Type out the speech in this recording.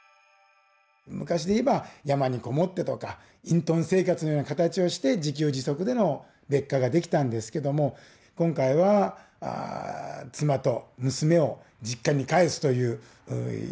昔で言えば山に籠もってとか隠遁生活のような形をして自給自足での別火ができたんですけども今回は妻と娘を実家に帰すという一種の別居生活をする。